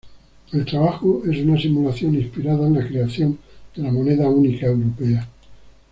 El trabajo es una simulación inspirada en la creación de la moneda única europea.